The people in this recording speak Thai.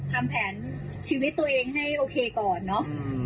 ทำแผนชีวิตตัวเองให้โอเคก่อนเนอะ